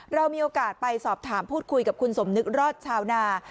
เรามีโอกาสไปสอบถามพูดคุยกับคุณสมนึกรอดชาวนา